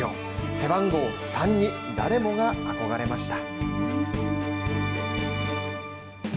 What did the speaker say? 背番号３に誰もが憧れました。